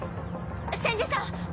千住さん！